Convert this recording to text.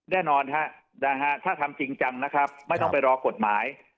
แน่นอนฮะถ้าทำจริงจังนะครับไม่ต้องไปรอกฎหมาย